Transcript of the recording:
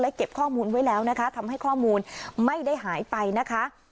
เก็บข้อมูลไว้แล้วนะคะทำให้ข้อมูลไม่ได้หายไปนะคะ